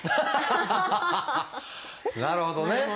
なるほどね！